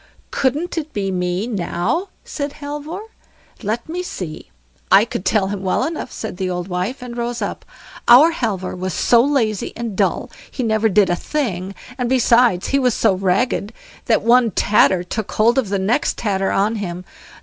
"Couldn't it be me, now?" said Halvor. "Let me see; I could tell him well enough", said the old wife, and rose up. "Our Halvor was so lazy and dull, he never did a thing; and besides, he was so ragged, that one tatter took hold of the next tatter on him.